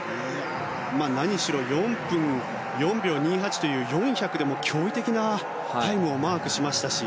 何しろ４分４４秒２８という４００でも驚異的なタイムをマークしましたし。